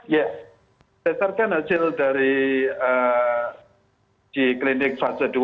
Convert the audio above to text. ya berdasarkan hasil dari di klinik fase dua